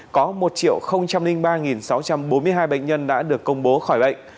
có một ba sáu trăm bốn mươi hai bệnh nhân đã được công bố khỏi bệnh